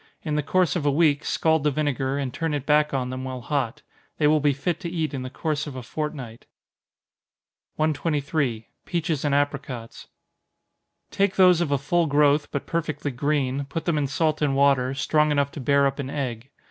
In the course of a week, scald the vinegar, and turn it back on them while hot. They will be fit to eat in the course of a fortnight. 123. Peaches and Apricots. Take those of a full growth, but perfectly green, put them in salt and water, strong enough to bear up an egg.